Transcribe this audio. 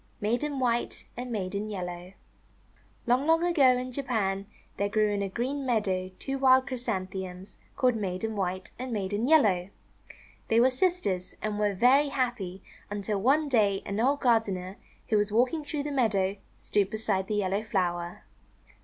MAIDEN WHITE AND MAIDEN YELLOW Japanese Tale LONG, long ago, in Japan, there grew in a green meadow two wild Chrysanthemums, called Maiden White and Maiden Yellow. They were sisters, and were very happy until one day an old gardener, who was walking through the meadow, stooped beside the yellow flower.